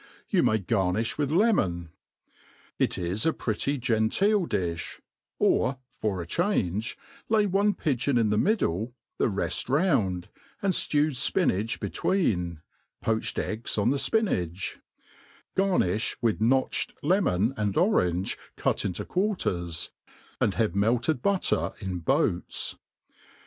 You may garnifli with lemon, t is a pretty genteel di(h': or, for change, lay one pigeon in the middle, the refl ^ound, and ftewed fpinach between | poached eggs ori the fpinach, Garnifh with notched le inon and orange^ cut inp quarters, and have melted butter in |)oats.